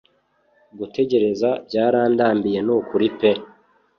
Gutegereza byarandambiye nukuri pee